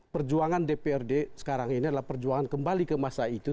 perjuangan dprd sekarang ini adalah perjuangan kembali ke masa itu